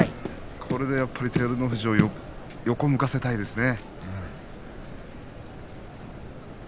これで照ノ富士を横を向かせたいですね。